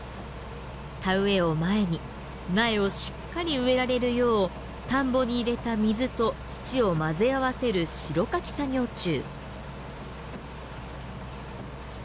田植えを前に苗をしっかり植えられるよう田んぼに入れた水と土を混ぜ合わせる代かき作業中。